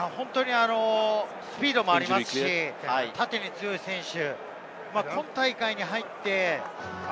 スピードもありますし、縦に強い選手。